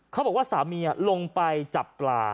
เขาบอกว่าสามีลงไปจับปลา